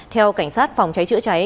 theo cảnh sát phòng cháy chữa cháy